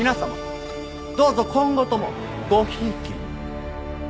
どうぞ今後ともごひいきに。